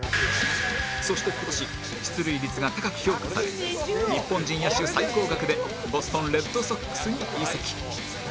そして今年出塁率が高く評価され日本人野手最高額でボストン・レッドソックスに移籍